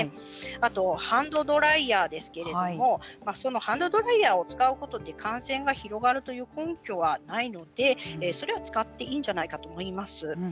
あとハンドドライヤーですけれどもそのハンドドライヤーを使うことで感染が広がるという根拠はないのでそれは使っていいんじゃないかと思います。